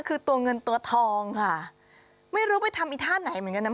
คือตัวเงินตัวทองค่ะไม่รู้ไปทำอีท่าไหนเหมือนกันนะ